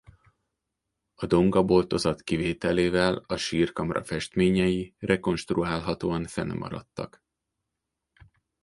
A dongaboltozat kivételével a sírkamra festményei rekonstruálhatóan fennmaradtak.